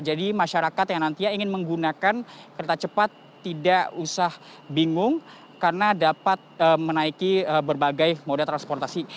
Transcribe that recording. jadi masyarakat yang nantinya ingin menggunakan kereta cepat tidak usah bingung karena dapat menaiki berbagai mode transportasi